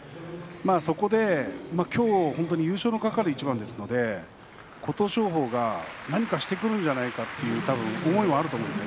そこで今日、本当に優勝に懸かる一番ですので琴勝峰が何かしてくるんじゃないかという思いはあると思うんです。